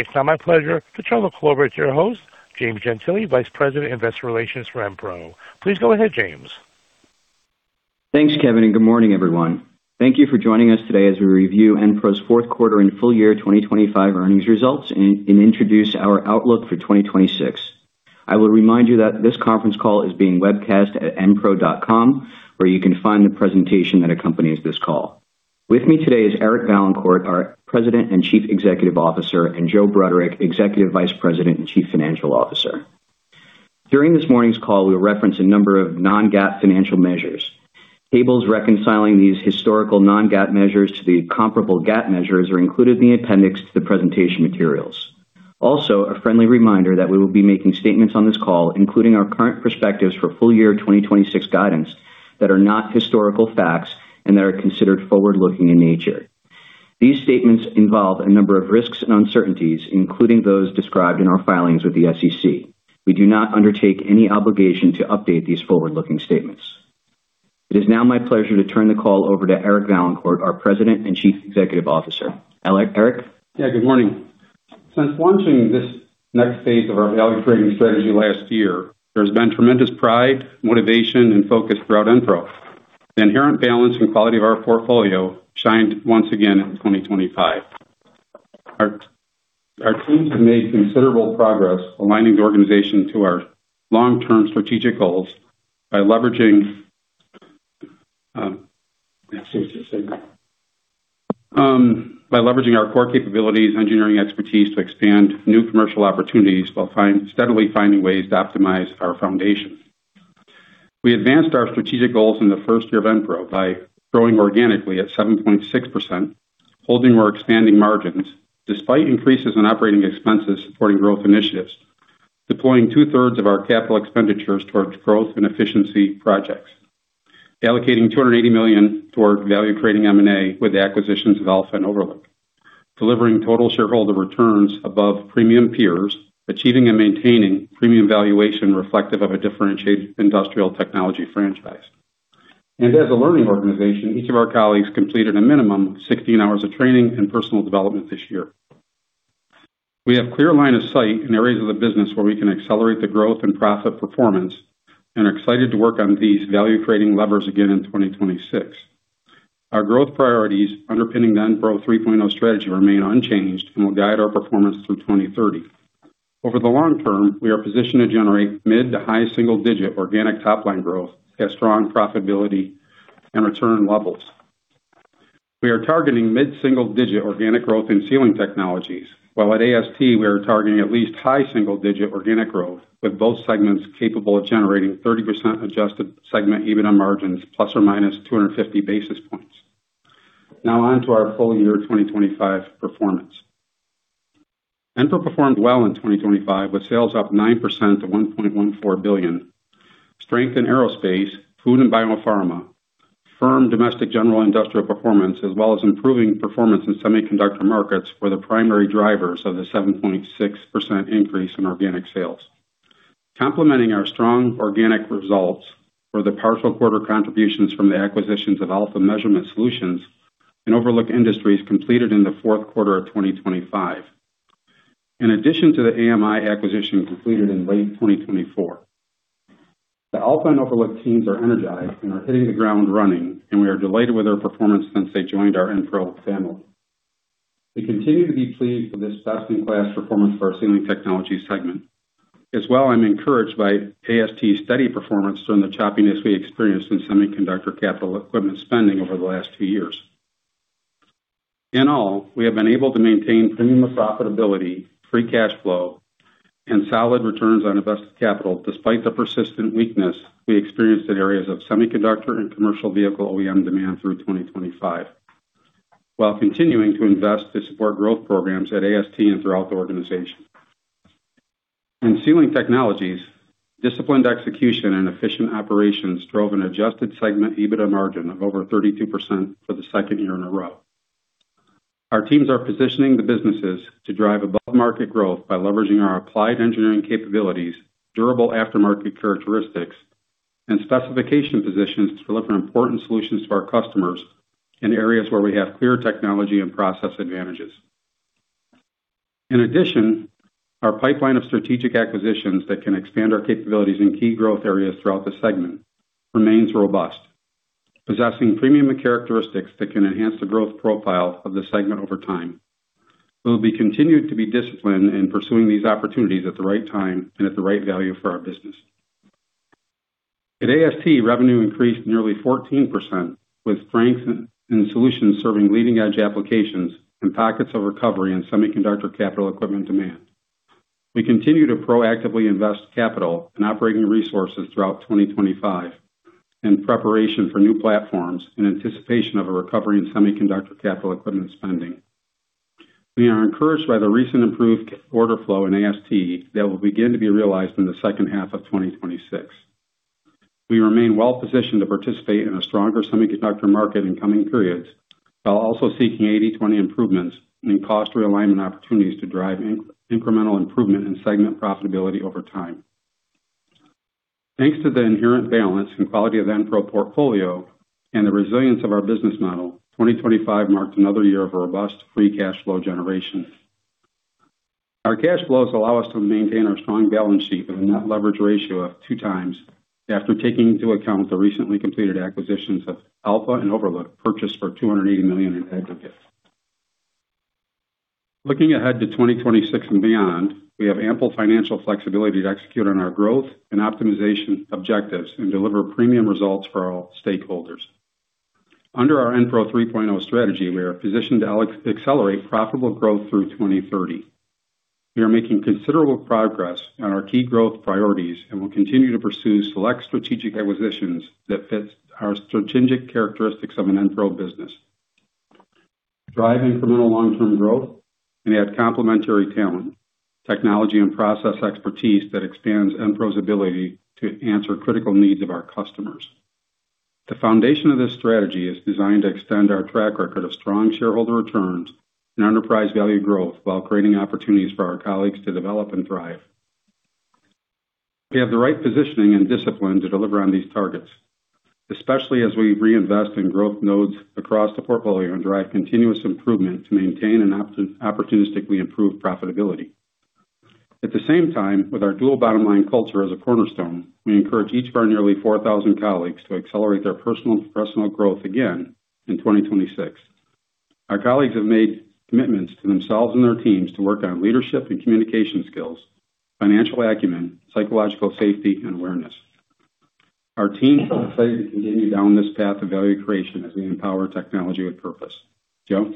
It's now my pleasure to turn the call over to your host, James Gentile, Vice President of Investor Relations for Enpro. Please go ahead, James. Thanks, Kevin, and good morning, everyone. Thank you for joining us today as we review Enpro's fourth quarter and full year 2025 earnings results, and introduce our outlook for 2026. I will remind you that this conference call is being webcast at enpro.com, where you can find the presentation that accompanies this call. With me today is Eric Vaillancourt, our President and Chief Executive Officer, and Joe Bruderek, Executive Vice President and Chief Financial Officer. During this morning's call, we'll reference a number of non-GAAP financial measures. Tables reconciling these historical non-GAAP measures to the comparable GAAP measures are included in the appendix to the presentation materials. Also, a friendly reminder that we will be making statements on this call, including our current perspectives for full year 2026 guidance, that are not historical facts and that are considered forward-looking in nature. These statements involve a number of risks and uncertainties, including those described in our filings with the SEC. We do not undertake any obligation to update these forward-looking statements. It is now my pleasure to turn the call over to Eric Vaillancourt, our President and Chief Executive Officer. Eric? Yeah, good morning. Since launching this next phase of our value creating strategy last year, there's been tremendous pride, motivation, and focus throughout Enpro. The inherent balance and quality of our portfolio shined once again in 2025. Our teams have made considerable progress aligning the organization to our long-term strategic goals by leveraging, by leveraging our core capabilities, engineering expertise to expand new commercial opportunities while steadily finding ways to optimize our foundation. We advanced our strategic goals in the first year of Enpro by growing organically at 7.6%, holding or expanding margins, despite increases in operating expenses supporting growth initiatives, deploying two-thirds of our capital expenditures towards growth and efficiency projects. Allocating $280 million toward value creating M&A with the acquisitions of AlpHa and Overlook. Delivering total shareholder returns above premium peers, achieving and maintaining premium valuation reflective of a differentiated industrial technology franchise. As a learning organization, each of our colleagues completed a minimum 16 hours of training and personal development this year. We have clear line of sight in areas of the business where we can accelerate the growth and profit performance, and are excited to work on these value-creating levers again in 2026. Our growth priorities underpinning the Enpro 3.0 strategy remain unchanged and will guide our performance through 2030. Over the long term, we are positioned to generate mid- to high single-digit organic top line growth at strong profitability and return levels. We are targeting mid-single digit organic growth in Sealing Technologies, while at AST, we are targeting at least high single digit organic growth, with both segments capable of generating 30% Adjusted segment EBITDA margins, ±250 basis points. Now on to our full year 2025 performance. Enpro performed well in 2025, with sales up 9% to $1.14 billion. Strength in aerospace, food and biopharma, firm domestic general industrial performance, as well as improving performance in semiconductor markets, were the primary drivers of the 7.6% increase in organic sales. Complementing our strong organic results were the powerful quarter contributions from the acquisitions of Alpha Measurement Solutions and Overlook Industries, completed in the fourth quarter of 2025. In addition to the AMI acquisition, completed in late 2024. The AlpHa and Overlook teams are energized and are hitting the ground running, and we are delighted with their performance since they joined our Enpro family. We continue to be pleased with this best-in-class performance for our Sealing Technologies segment. As well, I'm encouraged by AST's steady performance during the choppiness we experienced in semiconductor capital equipment spending over the last two years. In all, we have been able to maintain premium profitability, free cash flow, and solid returns on invested capital, despite the persistent weakness we experienced in areas of semiconductor and commercial vehicle OEM demand through 2025, while continuing to invest to support growth programs at AST and throughout the organization. In Sealing Technologies, disciplined execution and efficient operations drove an Adjusted segment EBITDA margin of over 32% for the second year in a row. Our teams are positioning the businesses to drive above market growth by leveraging our applied engineering capabilities, durable aftermarket characteristics, and specification positions to deliver important solutions to our customers in areas where we have clear technology and process advantages. In addition, our pipeline of strategic acquisitions that can expand our capabilities in key growth areas throughout the segment remains robust, possessing premium characteristics that can enhance the growth profile of the segment over time. We'll continue to be disciplined in pursuing these opportunities at the right time and at the right value for our business. At AST, revenue increased nearly 14%, with strength in solutions serving leading-edge applications and pockets of recovery in semiconductor capital equipment demand. We continue to proactively invest capital and operating resources throughout 2025 in preparation for new platforms in anticipation of a recovery in semiconductor capital equipment spending. We are encouraged by the recent improved order flow in AST that will begin to be realized in the second half of 2026. We remain well positioned to participate in a stronger semiconductor market in coming periods, while also seeking 80/20 improvements and cost realignment opportunities to drive incremental improvement in segment profitability over time. Thanks to the inherent balance and quality of Enpro portfolio and the resilience of our business model, 2025 marked another year of robust free cash flow generation. Our cash flows allow us to maintain our strong balance sheet and a net leverage ratio of 2x after taking into account the recently completed acquisitions of AlpHa and Overlook, purchased for $280 million in aggregate. Looking ahead to 2026 and beyond, we have ample financial flexibility to execute on our growth and optimization objectives and deliver premium results for all stakeholders. Under our Enpro 3.0 strategy, we are positioned to accelerate profitable growth through 2030. We are making considerable progress on our key growth priorities, and we'll continue to pursue select strategic acquisitions that fit our strategic characteristics of an Enpro business, drive incremental long-term growth, and add complementary talent, technology, and process expertise that expands Enpro's ability to answer critical needs of our customers. The foundation of this strategy is designed to extend our track record of strong shareholder returns and enterprise value growth, while creating opportunities for our colleagues to develop and thrive. We have the right positioning and discipline to deliver on these targets, especially as we reinvest in growth nodes across the portfolio and drive continuous improvement to maintain and opportunistically improve profitability. At the same time, with our dual bottom line culture as a cornerstone, we encourage each of our nearly 4,000 colleagues to accelerate their personal and professional growth again in 2026. Our colleagues have made commitments to themselves and their teams to work on leadership and communication skills, financial acumen, psychological safety, and awareness. Our team is excited to continue down this path of value creation as we empower technology with purpose. Joe?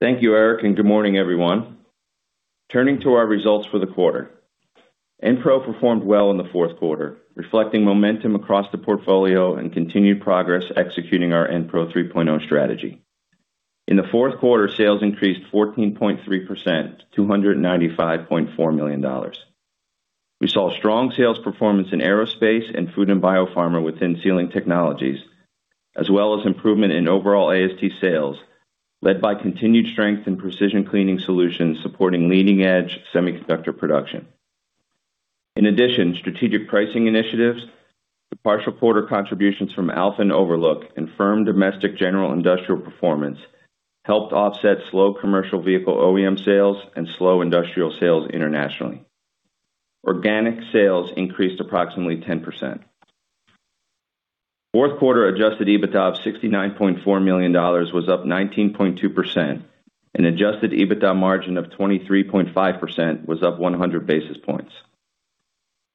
Thank you, Eric, and good morning, everyone. Turning to our results for the quarter. Enpro performed well in the fourth quarter, reflecting momentum across the portfolio and continued progress executing our Enpro 3.0 strategy. In the fourth quarter, sales increased 14.3% to $295.4 million. We saw strong sales performance in aerospace and food and biopharma within Sealing Technologies, as well as improvement in overall AST sales, led by continued strength in precision cleaning solutions, supporting leading-edge semiconductor production. In addition, strategic pricing initiatives, the partial quarter contributions from AlpHa and Overlook, and firm domestic general industrial performance helped offset slow commercial vehicle OEM sales and slow industrial sales internationally. Organic sales increased approximately 10%. Fourth quarter Adjusted EBITDA of $69.4 million was up 19.2%, and Adjusted EBITDA margin of 23.5% was up 100 basis points.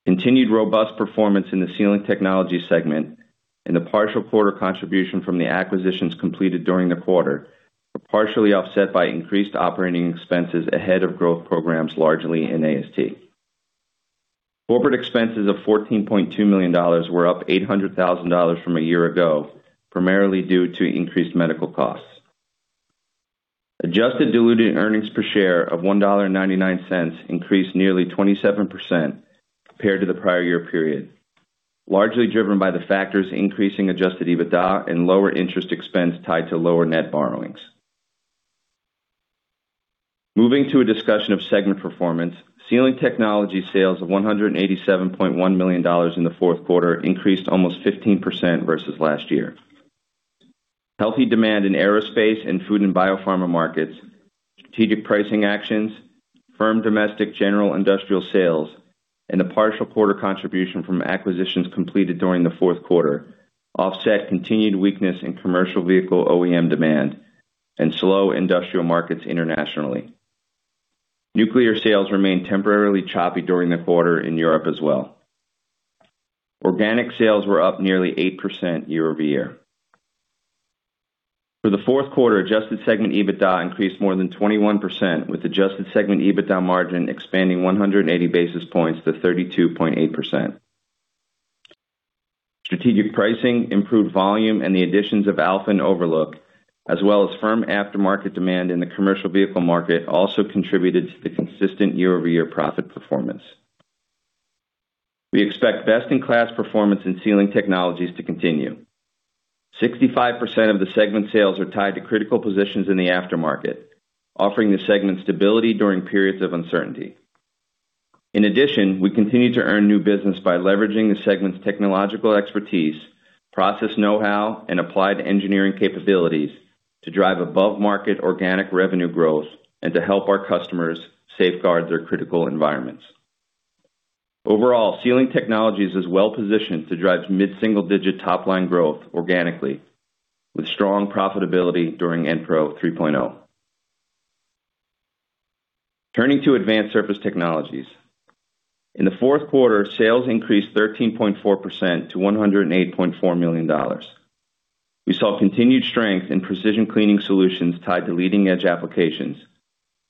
Continued robust performance in the Sealing Technologies segment and the partial quarter contribution from the acquisitions completed during the quarter were partially offset by increased operating expenses ahead of growth programs, largely in AST. Corporate expenses of $14.2 million were up $800,000 from a year ago, primarily due to increased medical costs. Adjusted diluted earnings per share of $1.99 increased nearly 27% compared to the prior year period, largely driven by the factors increasing Adjusted EBITDA and lower interest expense tied to lower net borrowings. Moving to a discussion of segment performance. Sealing Technologies sales of $187.1 million in the fourth quarter increased almost 15% versus last year. Healthy demand in aerospace and food and biopharma markets, strategic pricing actions, firm domestic general industrial sales, and the partial quarter contribution from acquisitions completed during the fourth quarter offset continued weakness in commercial vehicle OEM demand and slow industrial markets internationally. Nuclear sales remained temporarily choppy during the quarter in Europe as well. Organic sales were up nearly 8% year-over-year. For the fourth quarter, Adjusted segment EBITDA increased more than 21%, with Adjusted segment EBITDA margin expanding 180 basis points to 32.8%. Strategic pricing, improved volume, and the additions of AlpHa and Overlook, as well as firm aftermarket demand in the commercial vehicle market, also contributed to the consistent year-over-year profit performance. We expect best-in-class performance in Sealing Technologies to continue. 65% of the segment sales are tied to critical positions in the aftermarket, offering the segment stability during periods of uncertainty. In addition, we continue to earn new business by leveraging the segment's technological expertise, process know-how, and applied engineering capabilities to drive above-market organic revenue growth and to help our customers safeguard their critical environments. Overall, Sealing Technologies is well positioned to drive mid-single-digit top-line growth organically, with strong profitability during Enpro 3.0. Turning to Advanced Surface Technologies. In the fourth quarter, sales increased 13.4% to $108.4 million. We saw continued strength in precision cleaning solutions tied to leading-edge applications,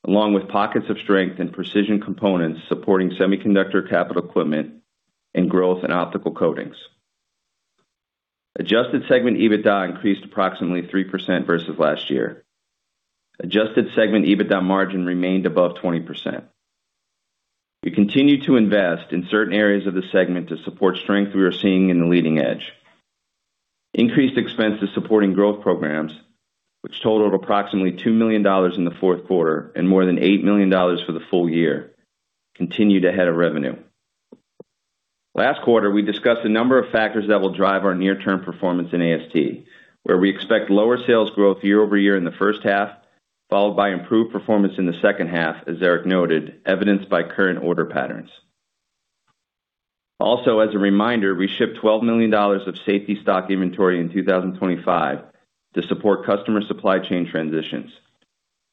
along with pockets of strength in precision components, supporting semiconductor capital equipment and growth in optical coatings. Adjusted segment EBITDA increased approximately 3% versus last year. Adjusted segment EBITDA margin remained above 20%. We continue to invest in certain areas of the segment to support strength we are seeing in the leading edge. Increased expenses supporting growth programs, which totaled approximately $2 million in the fourth quarter and more than $8 million for the full year, continued ahead of revenue. Last quarter, we discussed a number of factors that will drive our near-term performance in AST, where we expect lower sales growth year-over-year in the first half, followed by improved performance in the second half, as Eric noted, evidenced by current order patterns. Also, as a reminder, we shipped $12 million of safety stock inventory in 2025 to support customer supply chain transitions,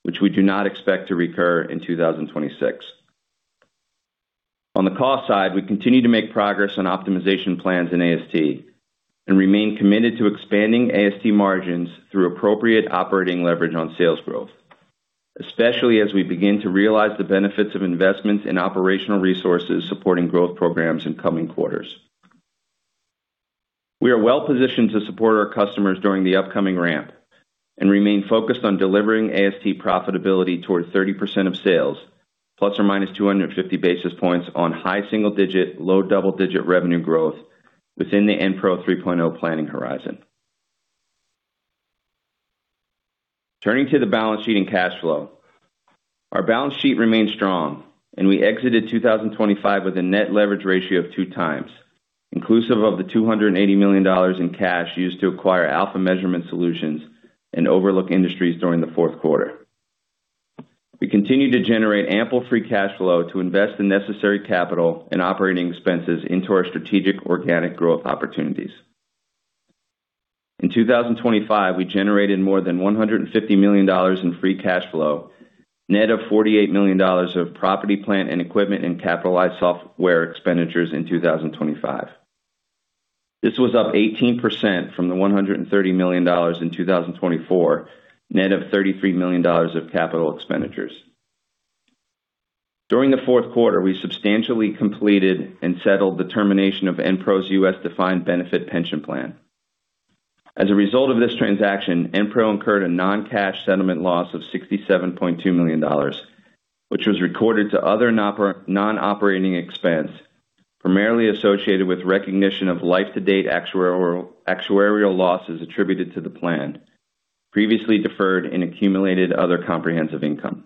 which we do not expect to recur in 2026. On the cost side, we continue to make progress on optimization plans in AST and remain committed to expanding AST margins through appropriate operating leverage on sales growth, especially as we begin to realize the benefits of investments in operational resources supporting growth programs in coming quarters. We are well-positioned to support our customers during the upcoming ramp and remain focused on delivering AST profitability toward 30% of sales, ±250 basis points on high single digit, low double-digit revenue growth within the Enpro 3.0 planning horizon. Turning to the balance sheet and cash flow. Our balance sheet remains strong, and we exited 2025 with a net leverage ratio of 2 times, inclusive of the $280 million in cash used to acquire Alpha Measurement Solutions and Overlook Industries during the fourth quarter. We continue to generate ample free cash flow to invest the necessary capital and operating expenses into our strategic organic growth opportunities. In 2025, we generated more than $150 million in free cash flow, net of $48 million of property, plant, and equipment, and capitalized software expenditures in 2025. This was up 18% from the $130 million in 2024, net of $33 million of capital expenditures. During the fourth quarter, we substantially completed and settled the termination of Enpro's U.S. defined benefit pension plan. As a result of this transaction, Enpro incurred a non-cash settlement loss of $67.2 million, which was recorded to other non-operating expense, primarily associated with recognition of life-to-date actuarial losses attributed to the plan, previously deferred and accumulated other comprehensive income.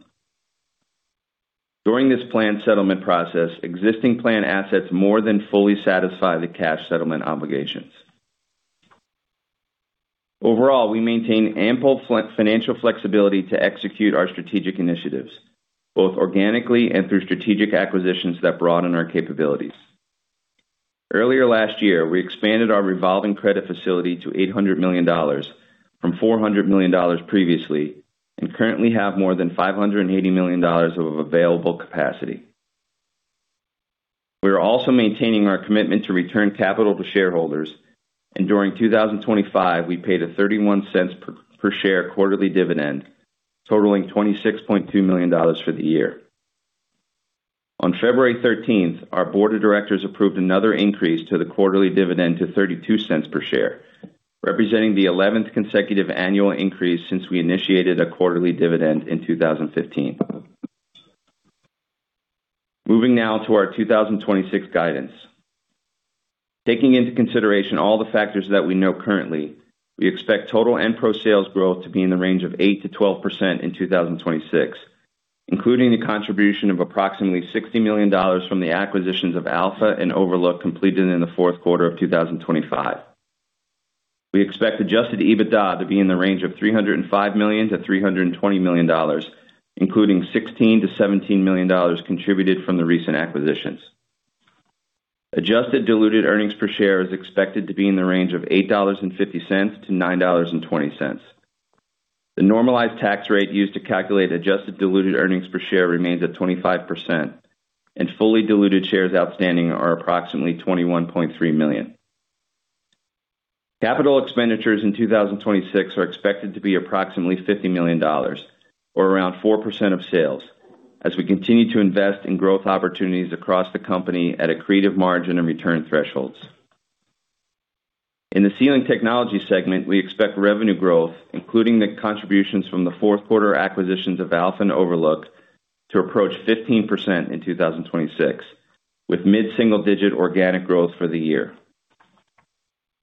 During this plan settlement process, existing plan assets more than fully satisfy the cash settlement obligations. Overall, we maintain ample financial flexibility to execute our strategic initiatives, both organically and through strategic acquisitions that broaden our capabilities. Earlier last year, we expanded our revolving credit facility to $800 million from $400 million previously, and currently have more than $580 million of available capacity. We are also maintaining our commitment to return capital to shareholders, and during 2025, we paid a $0.31 per share quarterly dividend, totaling $26.2 million for the year. On February thirteenth, our board of directors approved another increase to the quarterly dividend to $0.32 per share, representing the eleventh consecutive annual increase since we initiated a quarterly dividend in 2015. Moving now to our 2026 guidance. Taking into consideration all the factors that we know currently, we expect total Enpro sales growth to be in the range of 8%-12% in 2026, including the contribution of approximately $60 million from the acquisitions of AlpHa and Overlook, completed in the fourth quarter of 2025. We expect Adjusted EBITDA to be in the range of $305 million-$320 million, including $16 million-$17 million contributed from the recent acquisitions. Adjusted diluted earnings per share is expected to be in the range of $8.50-$9.20. The normalized tax rate used to calculate Adjusted diluted earnings per share remains at 25%, and fully diluted shares outstanding are approximately 21.3 million. Capital expenditures in 2026 are expected to be approximately $50 million or around 4% of sales, as we continue to invest in growth opportunities across the company at accretive margin and return thresholds. In the Sealing Technologies segment, we expect revenue growth, including the contributions from the fourth quarter acquisitions of AlpHa and Overlook, to approach 15% in 2026, with mid-single-digit organic growth for the year.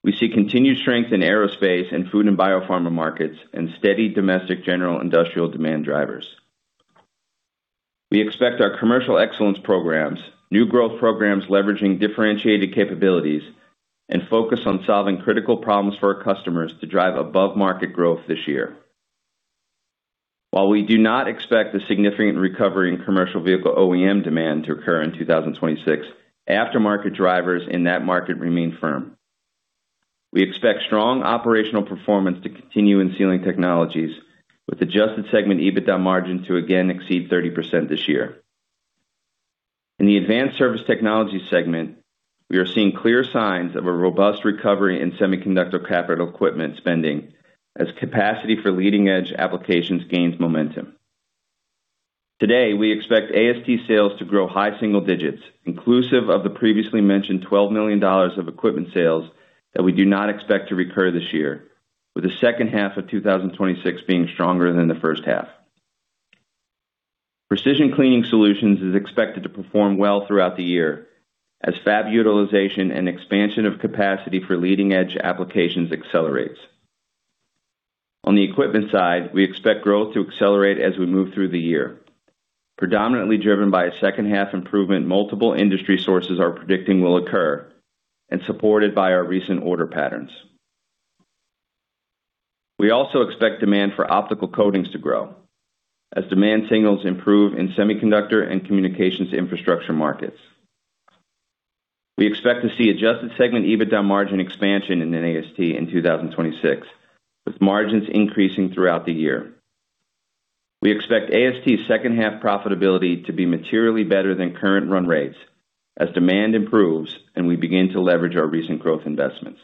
We see continued strength in aerospace and food and biopharma markets, and steady domestic general industrial demand drivers. We expect our commercial excellence programs, new growth programs leveraging differentiated capabilities, and focus on solving critical problems for our customers to drive above-market growth this year. While we do not expect a significant recovery in commercial vehicle OEM demand to occur in 2026, aftermarket drivers in that market remain firm. We expect strong operational performance to continue in Sealing Technologies, with Adjusted segment EBITDA margin to again exceed 30% this year. In the Advanced Surface Technologies segment, we are seeing clear signs of a robust recovery in semiconductor capital equipment spending, as capacity for leading-edge applications gains momentum. Today, we expect AST sales to grow high single digits, inclusive of the previously mentioned $12 million of equipment sales that we do not expect to recur this year, with the second half of 2026 being stronger than the first half Precision Cleaning Solutions is expected to perform well throughout the year, as fab utilization and expansion of capacity for leading-edge applications accelerates. On the equipment side, we expect growth to accelerate as we move through the year, predominantly driven by a second-half improvement multiple industry sources are predicting will occur, and supported by our recent order patterns. We also expect demand for optical coatings to grow as demand signals improve in semiconductor and communications infrastructure markets. We expect to see Adjusted segment EBITDA margin expansion in AST in 2026, with margins increasing throughout the year. We expect AST's second-half profitability to be materially better than current run rates, as demand improves and we begin to leverage our recent growth investments.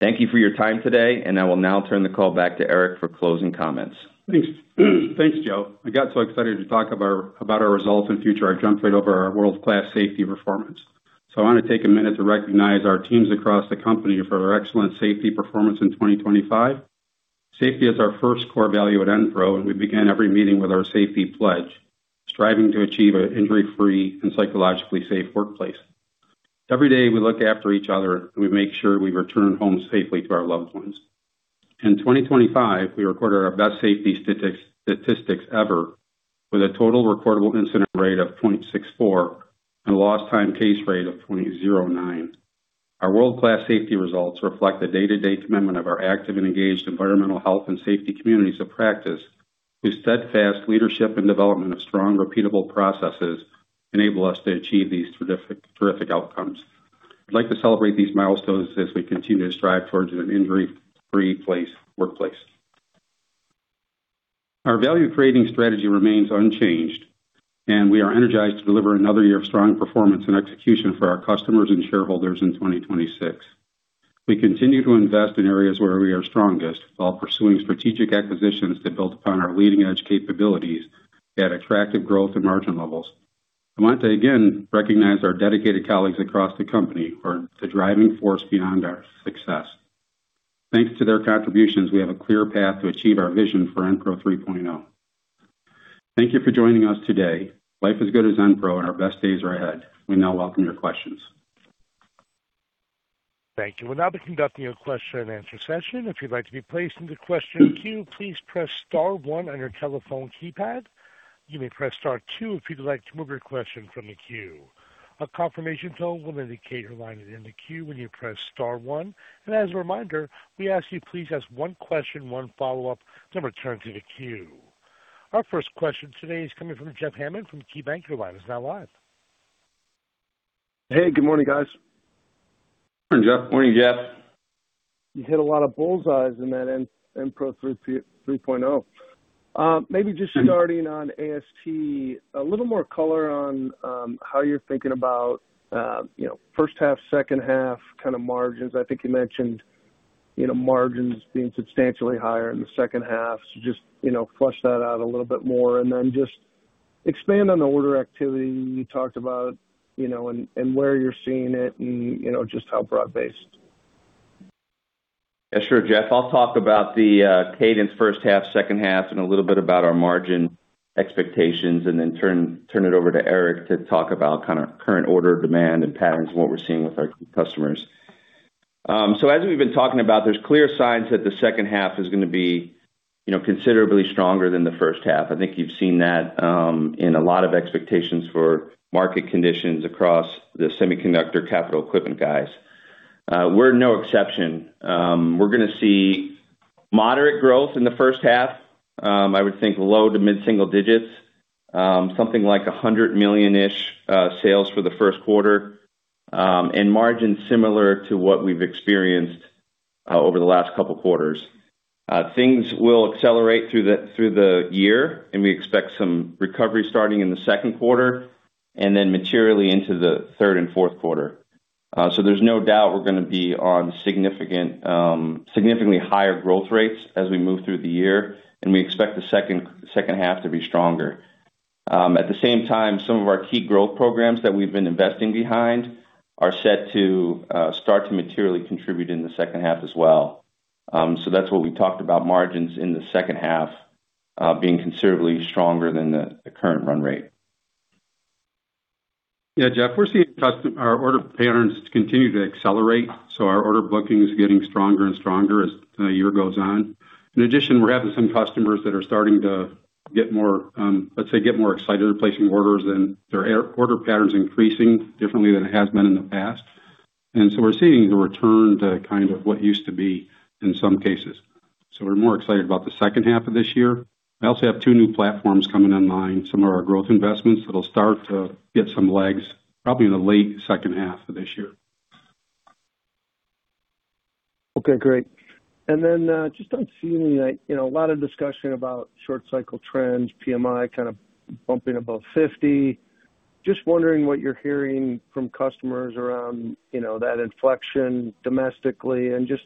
Thank you for your time today, and I will now turn the call back to Eric for closing comments. Thanks. Thanks, Joe. I got so excited to talk about our, about our results and future, I jumped right over our world-class safety performance. So I want to take a minute to recognize our teams across the company for their excellent safety performance in 2025. Safety is our first core value at Enpro, and we begin every meeting with our safety pledge, striving to achieve an injury-free and psychologically safe workplace. Every day, we look after each other, and we make sure we return home safely to our loved ones. In 2025, we recorded our best safety statistics ever, with a total recordable incident rate of 0.64 and a lost time case rate of 0.09. Our world-class safety results reflect the day-to-day commitment of our active and engaged environmental health and safety communities of practice, whose steadfast leadership and development of strong, repeatable processes enable us to achieve these terrific, terrific outcomes. I'd like to celebrate these milestones as we continue to strive towards an injury-free place, workplace. Our value-creating strategy remains unchanged, and we are energized to deliver another year of strong performance and execution for our customers and shareholders in 2026. We continue to invest in areas where we are strongest while pursuing strategic acquisitions that build upon our leading-edge capabilities at attractive growth and margin levels. I want to again recognize our dedicated colleagues across the company who are the driving force beyond our success. Thanks to their contributions, we have a clear path to achieve our vision for Enpro 3.0. Thank you for joining us today. Life is good as Enpro and our best days are ahead. We now welcome your questions. Thank you. We'll now be conducting a question and answer session. If you'd like to be placed into the question queue, please press star one on your telephone keypad. You may press star two if you'd like to remove your question from the queue. A confirmation tone will indicate your line is in the queue when you press star one. And as a reminder, we ask you please ask one question, one follow-up, then return to the queue. Our first question today is coming from Jeff Hammond from KeyBanc. Your line is now live. Hey, good morning, guys. Morning, Jeff. Morning, Jeff. You hit a lot of bullseyes in that Enpro 3.0. Maybe just starting on AST, a little more color on how you're thinking about, you know, first half, second half kind of margins. I think you mentioned, you know, margins being substantially higher in the second half. So just, you know, flesh that out a little bit more, and then just expand on the order activity you talked about, you know, and where you're seeing it and, you know, just how broad-based. Yeah, sure, Jeff. I'll talk about the cadence first half, second half, and a little bit about our margin expectations, and then turn it over to Eric to talk about kind of current order demand and patterns and what we're seeing with our customers. So as we've been talking about, there's clear signs that the second half is going to be, you know, considerably stronger than the first half. I think you've seen that in a lot of expectations for market conditions across the semiconductor capital equipment guys. We're no exception. We're gonna see moderate growth in the first half. I would think low to mid-single digits, something like $100 million-ish sales for the first quarter, and margins similar to what we've experienced over the last couple quarters. Things will accelerate through the year, and we expect some recovery starting in the second quarter, and then materially into the third and fourth quarter. So there's no doubt we're gonna be on significantly higher growth rates as we move through the year, and we expect the second half to be stronger. At the same time, some of our key growth programs that we've been investing behind are set to start to materially contribute in the second half as well. So that's what we talked about margins in the second half being considerably stronger than the current run rate. Yeah, Jeff, we're seeing our order patterns continue to accelerate, so our order booking is getting stronger and stronger as the year goes on. In addition, we're having some customers that are starting to get more excited replacing orders, and their order pattern is increasing differently than it has been in the past. So we're seeing the return to kind of what used to be in some cases. We're more excited about the second half of this year. We also have two new platforms coming online, some of our growth investments that'll start to get some legs probably in the late second half of this year. Okay, great. And then, just on feeling like, you know, a lot of discussion about short cycle trends, PMI kind of bumping above 50. Just wondering what you're hearing from customers around, you know, that inflection domestically, and just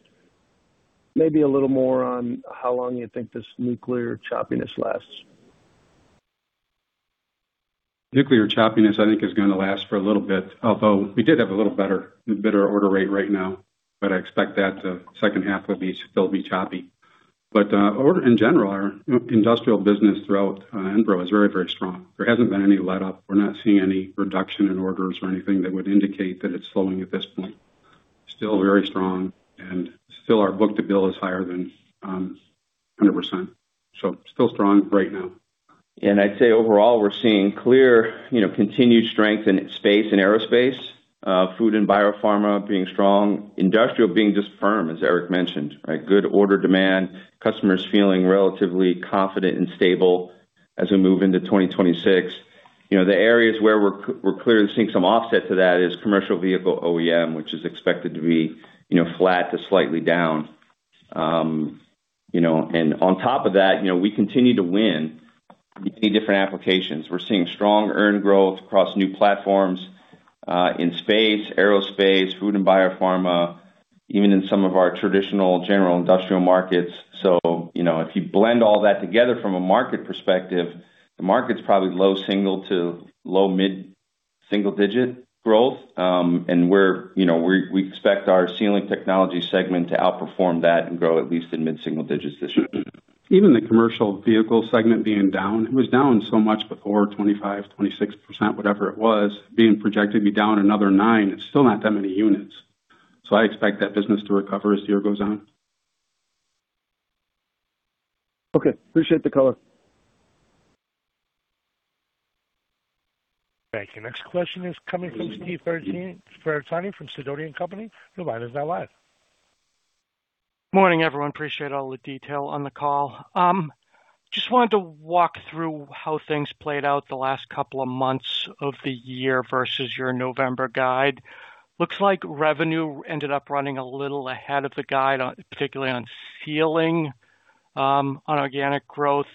maybe a little more on how long you think this nuclear choppiness lasts? Nuclear choppiness, I think, is going to last for a little bit, although we did have a little better order rate right now, but I expect that the second half will still be choppy. But order in general, our industrial business throughout Enpro is very, very strong. There hasn't been any letup. We're not seeing any reduction in orders or anything that would indicate that it's slowing at this point. Still very strong and still our book to bill is higher than 100%. So still strong right now. I'd say overall, we're seeing clear, you know, continued strength in space and aerospace, food and biopharma being strong, industrial being just firm, as Eric mentioned, right? Good order demand, customers feeling relatively confident and stable as we move into 2026. You know, the areas where we're clearly seeing some offset to that is commercial vehicle OEM, which is expected to be, you know, flat to slightly down. You know, and on top of that, you know, we continue to win in different applications. We're seeing strong earned growth across new platforms in space, aerospace, food and biopharma, even in some of our traditional general industrial markets. So, you know, if you blend all that together from a market perspective, the market's probably low single- to low mid-single-digit growth. And we're, you know, we expect our Sealing Technologies segment to outperform that and grow at least in mid-single digits this year. Even the commercial vehicle segment being down, it was down so much before, 25%, 26%, whatever it was, being projected to be down another 9%, it's still not that many units. So I expect that business to recover as the year goes on. Okay, appreciate the color. Thank you. Next question is coming from Steve Ferazani from Sidoti & Company, the line is now live. Morning, everyone. Appreciate all the detail on the call. Just wanted to walk through how things played out the last couple of months of the year versus your November guide. Looks like revenue ended up running a little ahead of the guide on, particularly on Sealing, on organic growth,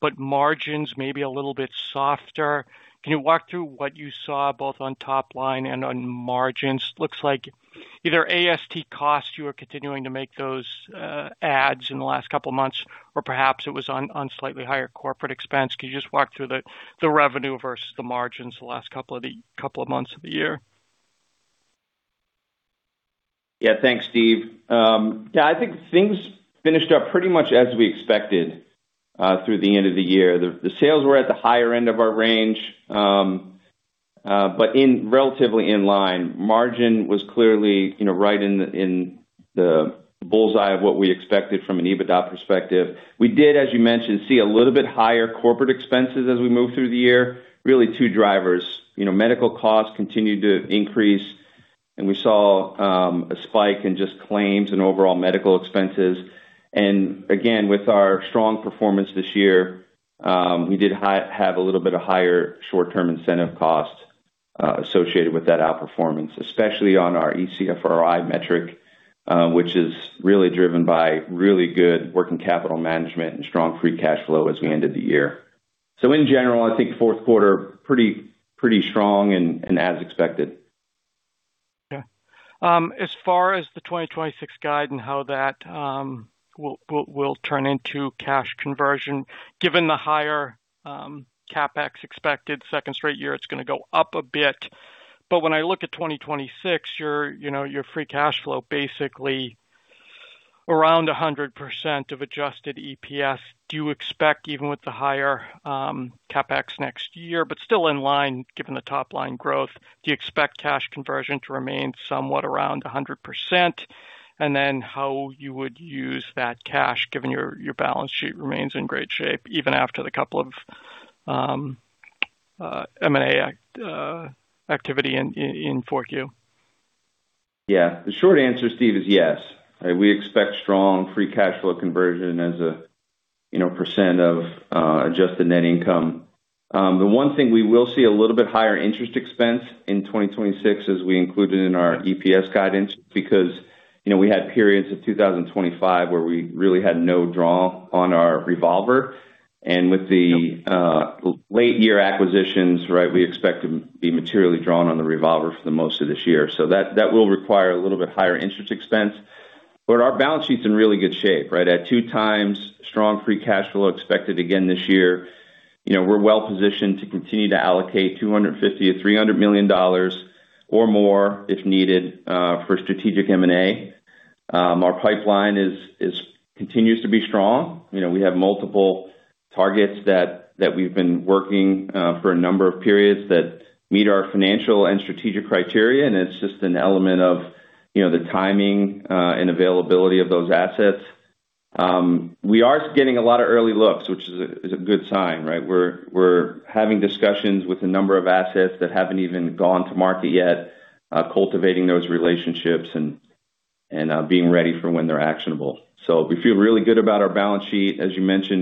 but margins may be a little bit softer. Can you walk through what you saw, both on top line and on margins? Looks like either AST costs, you are continuing to make those adds in the last couple of months, or perhaps it was on, on slightly higher corporate expense. Can you just walk through the revenue versus the margins the last couple of months of the year? Yeah. Thanks, Steve. Yeah, I think things finished up pretty much as we expected through the end of the year. The sales were at the higher end of our range, but relatively in line. Margin was clearly, you know, right in the bull's-eye of what we expected from an EBITDA perspective. We did, as you mentioned, see a little bit higher corporate expenses as we moved through the year. Really two drivers. You know, medical costs continued to increase, and we saw a spike in just claims and overall medical expenses. Again, with our strong performance this year, we did have a little bit of higher short-term incentive costs associated with that outperformance, especially on our ESFRI metric, which is really driven by really good working capital management and strong free cash flow as we ended the year. So in general, I think fourth quarter pretty strong and as expected. Yeah. As far as the 2026 guide and how that will turn into cash conversion, given the higher CapEx expected, second straight year, it's gonna go up a bit. But when I look at 2026, you know, your free cash flow basically around 100% of Adjusted EPS, do you expect, even with the higher CapEx next year, but still in line, given the top line growth, do you expect cash conversion to remain somewhat around 100%? And then how you would use that cash, given your balance sheet remains in great shape, even after the couple of M&A activity in Q4? Yeah. The short answer, Steve, is yes. We expect strong free cash flow conversion as a, you know, % of adjusted net income. The one thing we will see a little bit higher interest expense in 2026, as we included in our EPS guidance, because, you know, we had periods of 2025 where we really had no draw on our revolver. And with the late year acquisitions, right, we expect to be materially drawn on the revolver for the most of this year. So that, that will require a little bit higher interest expense. But our balance sheet's in really good shape, right? At 2x strong free cash flow expected again this year, you know, we're well positioned to continue to allocate $250 million-$300 million or more, if needed, for strategic M&A. Our pipeline continues to be strong. You know, we have multiple targets that we've been working for a number of periods that meet our financial and strategic criteria, and it's just an element of, you know, the timing and availability of those assets. We are getting a lot of early looks, which is a good sign, right? We're having discussions with a number of assets that haven't even gone to market yet, cultivating those relationships and being ready for when they're actionable. So we feel really good about our balance sheet. As you mentioned,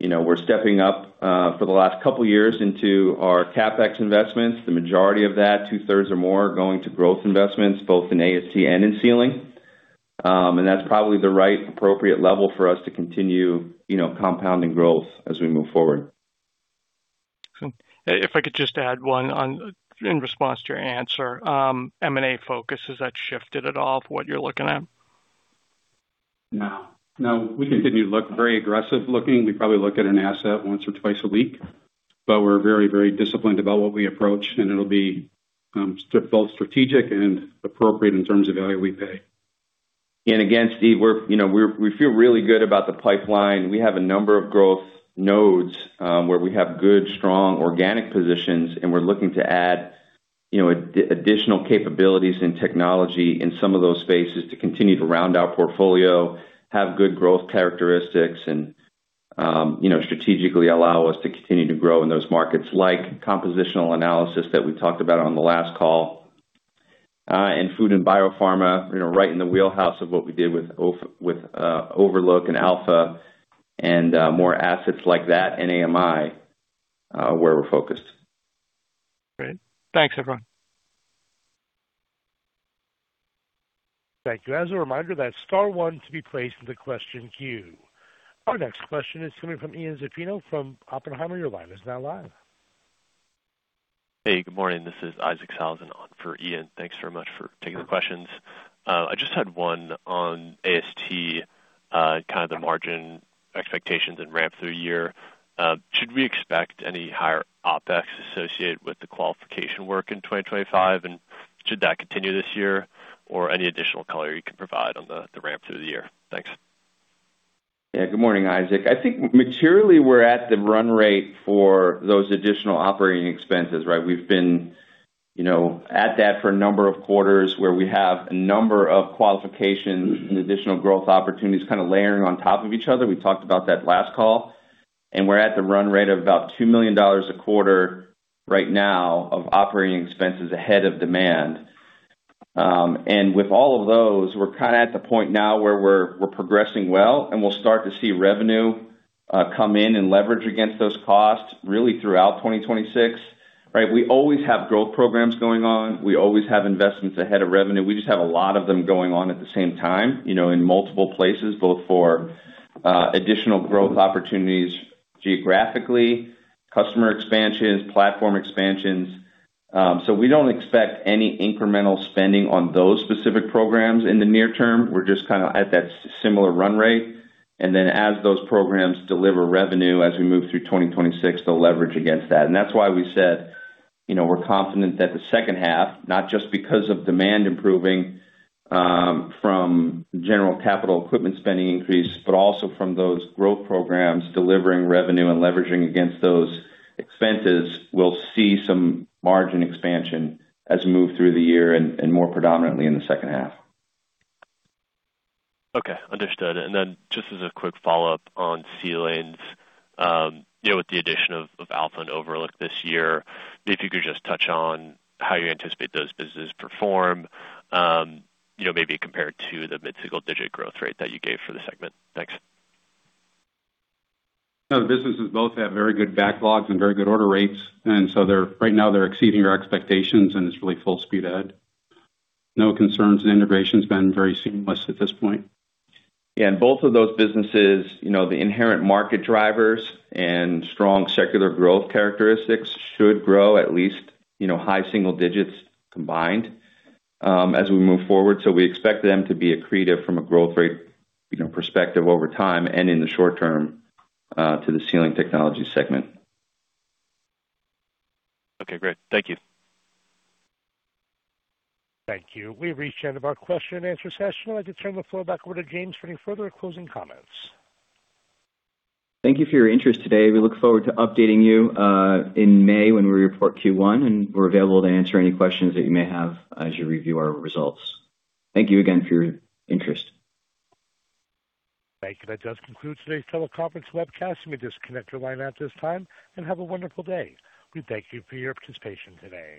you know, we're stepping up for the last couple of years into our CapEx investments. The majority of that, two-thirds or more, are going to growth investments, both in AST and in sealing. That's probably the right appropriate level for us to continue, you know, compounding growth as we move forward. So if I could just add one on, in response to your answer. M&A focus, has that shifted at all from what you're looking at? No, no, we continue to look very aggressive looking. We probably look at an asset once or twice a week, but we're very, very disciplined about what we approach, and it'll be both strategic and appropriate in terms of value we pay. And again, Steve, we're, you know, we feel really good about the pipeline. We have a number of growth nodes, where we have good, strong organic positions, and we're looking to add, you know, additional capabilities and technology in some of those spaces to continue to round out portfolio, have good growth characteristics, and, you know, strategically allow us to continue to grow in those markets, like compositional analysis that we talked about on the last call, and food and biopharma, you know, right in the wheelhouse of what we did with Overlook and AlpHa and more assets like that and AMI, where we're focused. Great. Thanks, everyone. Thank you. As a reminder, that's star one to be placed in the question queue. Our next question is coming from Ian Zaffino from Oppenheimer. Your line is now live. Hey, good morning. This is Isaac Sellhausen on for Ian. Thanks very much for taking the questions. I just had one on AST, kind of the margin expectations and ramp through year. Should we expect any higher OpEx associated with the qualification work in 2025? And should that continue this year? Or any additional color you can provide on the ramp through the year. Thanks. Yeah. Good morning, Isaac. I think materially, we're at the run rate for those additional operating expenses, right? We've been, you know, at that for a number of quarters where we have a number of qualifications and additional growth opportunities kind of layering on top of each other. We talked about that last call, and we're at the run rate of about $2 million a quarter right now of operating expenses ahead of demand. And with all of those, we're kind of at the point now where we're progressing well, and we'll start to see revenue come in and leverage against those costs really throughout 2026, right? We always have growth programs going on. We always have investments ahead of revenue. We just have a lot of them going on at the same time, you know, in multiple places, both for additional growth opportunities geographically, customer expansions, platform expansions. So we don't expect any incremental spending on those specific programs in the near term. We're just kind of at that similar run rate, and then as those programs deliver revenue, as we move through 2026, they'll leverage against that. And that's why we said, you know, we're confident that the second half, not just because of demand improving from general capital equipment spending increase, but also from those growth programs delivering revenue and leveraging against those expenses, we'll see some margin expansion as we move through the year and, and more predominantly in the second half. Okay, understood. And then just as a quick follow-up on Sealing, you know, with the addition of AlpHa and Overlook this year, if you could just touch on how you anticipate those businesses perform, you know, maybe compared to the mid-single-digit growth rate that you gave for the segment. Thanks. No, the businesses both have very good backlogs and very good order rates, and so they're, right now they're exceeding our expectations, and it's really full speed ahead. No concerns, and integration's been very seamless at this point. Yeah, and both of those businesses, you know, the inherent market drivers and strong secular growth characteristics should grow at least, you know, high single digits combined, as we move forward. So we expect them to be accretive from a growth rate, you know, perspective over time and in the short term, to the Sealing Technologies segment. Okay, great. Thank you. Thank you. We've reached the end of our question and answer session. I'd like to turn the floor back over to James for any further closing comments. Thank you for your interest today. We look forward to updating you in May when we report Q1, and we're available to answer any questions that you may have as you review our results. Thank you again for your interest. Thank you. That does conclude today's teleconference webcast. You may disconnect your line at this time and have a wonderful day. We thank you for your participation today.